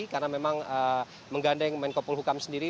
karena memang menggandeng menkopol hukam sendiri